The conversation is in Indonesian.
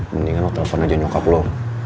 mendingan lo telfon aja nyokap lo